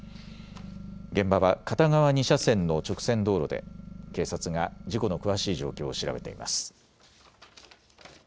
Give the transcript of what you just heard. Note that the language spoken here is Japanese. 現場は片側２車線の直線道路で警察が事故の詳しい状況を調べています。